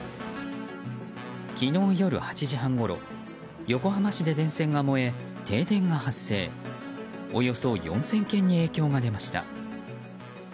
昨日夜８時半ごろ横浜市で電線が燃え停電が発生、およそ４０００軒に影響が出ました。